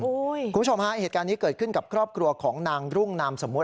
คุณผู้ชมฮะเหตุการณ์นี้เกิดขึ้นกับครอบครัวของนางรุ่งนามสมมติ